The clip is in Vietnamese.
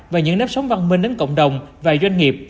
và những nếp sống văn minh đến cộng đồng và doanh nghiệp